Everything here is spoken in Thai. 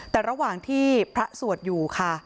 แต่ระหว่างที่พระสวดอยู่ค่ะ